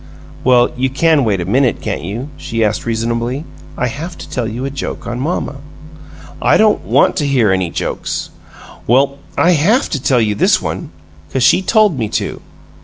"Well, you can wait a minute, can't you?" she asked, reasonably. "I haf to tell you a joke on mamma." "I don't want to hear any jokes!" "Well, I HAF to tell you this one 'cause she told me to!